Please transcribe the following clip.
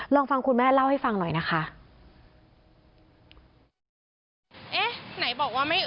ลองฟังคุณแม่เล่าให้ฟังหน่อยนะคะ